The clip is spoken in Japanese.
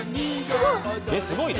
すごい！